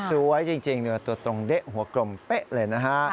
สวยจริงตัวตรงเด๊ะหัวกลมเป๊ะเลยนะฮะ